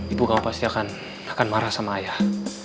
ibu kamu pasti akan marah sama ayah